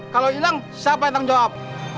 kalau hilang siapa yang tanggung jawab